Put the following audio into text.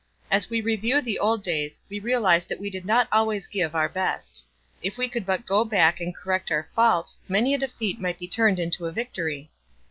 As we review the old days we realize that we did not always give our best. If we could but go back and correct our faults many a defeat might be turned into a victory.